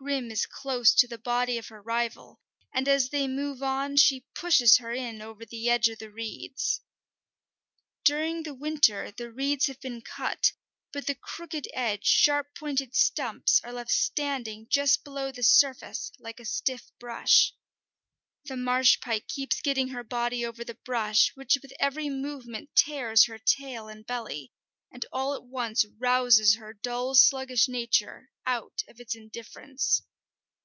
Grim is close to the body of her rival, and as they move on she pushes her in over the edge of the reeds. During the winter the reeds have been cut, but the crooked edge, sharp pointed stumps are left standing just below the surface, like a stiff brush. The marsh pike keeps getting her body over the brush, which with every movement tears her tail and belly, and all at once rouses her dull, sluggish nature out of its indifference.